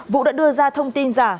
vũ đã đưa ra thông tin giả